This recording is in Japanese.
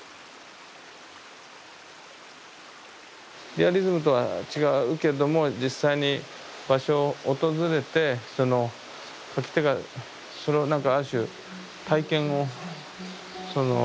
リアリズムとは違うけれども実際に場所を訪れて描き手がそのなんかある種体験を。